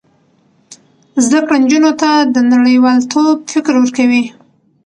زده کړه نجونو ته د نړیوالتوب فکر ورکوي.